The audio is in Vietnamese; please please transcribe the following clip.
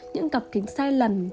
những cặp kính sai lầm